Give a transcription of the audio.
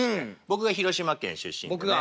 僕が広島県出身でね。